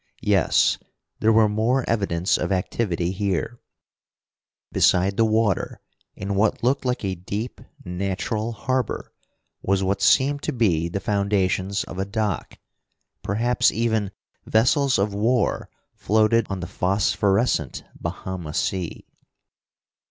Yes, there were more evidence of activity here. Beside the water, in what looked like a deep natural harbor, was what seemed to be the foundations of a dock. Perhaps even vessels of war floated on the phosphorescent Bahama sea.